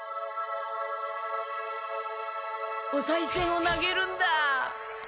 おさいせんを投げるんだ。